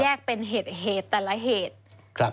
แยกเป็นเหตุแต่ละเหตุ